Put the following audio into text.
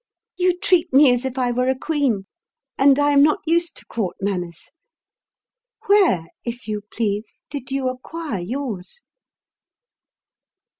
"You treat me as if I were a queen; and I am not used to Court manners. Where, if you please, did you acquire yours?"